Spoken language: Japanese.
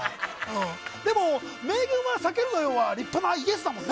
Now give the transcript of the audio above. でも、明言を避けるのは立派なイエスだもんね。